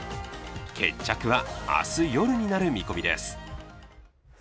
決着は明日夜になる見込みです。